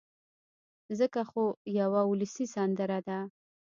ځکه خو يوه اولسي سندره ده